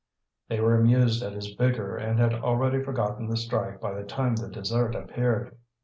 They were amused at his vigour and had already forgotten the strike by the time the dessert appeared.